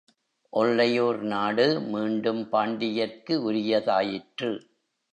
ஒல்லையூர் நாடு மீண்டும் பாண்டியர்க்கு உரியதாயிற்று.